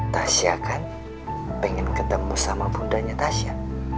tasya kan pengen ketemu sama bundanya tasya